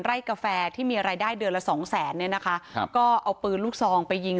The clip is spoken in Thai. กาแฟที่มีรายได้เดือนละสองแสนเนี่ยนะคะครับก็เอาปืนลูกซองไปยิง